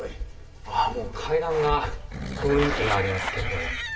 ああもう階段が雰囲気がありますけれども。